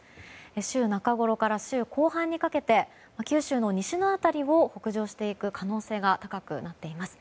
週中ごろから週後半にかけて九州の西の辺りを北上していく可能性が高くなっています。